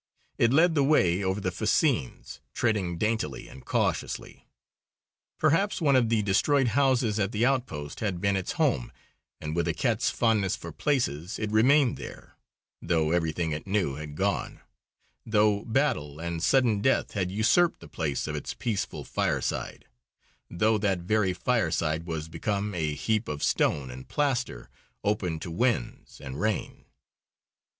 It led the way over the fascines, treading daintily and cautiously. Perhaps one of the destroyed houses at the outpost had been its home, and with a cat's fondness for places it remained there, though everything it knew had gone; though battle and sudden death had usurped the place of its peaceful fireside, though that very fireside was become a heap of stone and plaster, open to winds and rain.